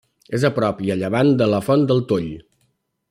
És a prop i a llevant de la Font del Toll.